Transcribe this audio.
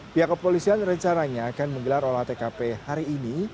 pihak kepolisian rencananya akan menggelar olah tkp hari ini